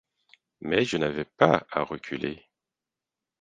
Mais je n’avais pas à reculer.